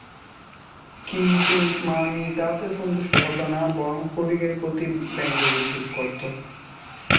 কিন্তু মামি তাতেও সন্তুষ্ট হতো না, বরং ফটিকের প্রতি ব্যঙ্গ-বিদ্রূপ করত।